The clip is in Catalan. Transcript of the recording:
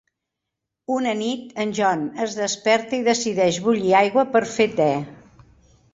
Una nit, en John es desperta i decideix bullir aigua per fer te.